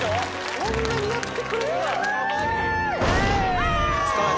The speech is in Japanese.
こんなにやってくれんだ。